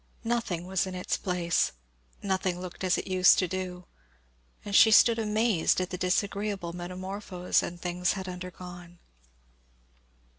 Nothing was in its place nothing looked as it used to do and she stood amazed at the disagreeable metamorphose an things had undergone.